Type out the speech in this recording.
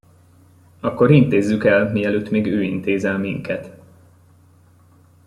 Akkor intézzük el, mielőtt még ő intéz el minket.